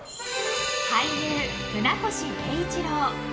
俳優・船越英一郎。